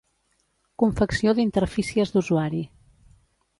Confecció d'interfícies d'usuari.